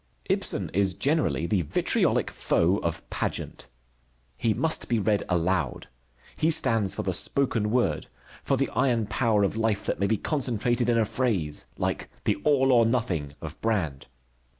Ibsen is generally the vitriolic foe of pageant. He must be read aloud. He stands for the spoken word, for the iron power of life that may be concentrated in a phrase like the "All or nothing" of Brand.